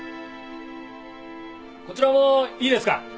こちらもいいですか？